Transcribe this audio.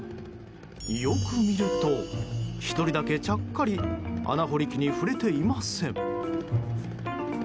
よく見ると１人だけ、ちゃっかり穴掘り機に触れていません。